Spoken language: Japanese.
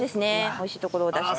美味しいところを出して。